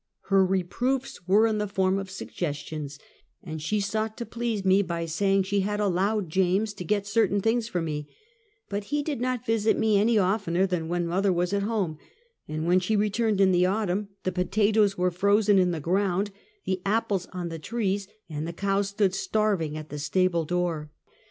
Her re proofs were in the form of suggestions, and she sought to please me by saying she had " allowed James " to get certain things for me; but he did not visit me any oftener than when mother was at home, and when she returned in the autumn, the potatoes were frozen in the ground, the apples on the trees, and the cow stood starving at the stable door.